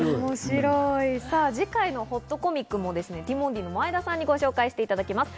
次回のほっとコミックもですね、ティモンディの前田さんに紹介していただきます。